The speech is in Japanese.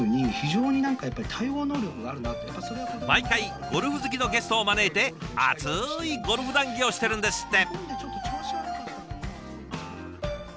毎回ゴルフ好きのゲストを招いて熱いゴルフ談議をしてるんですって。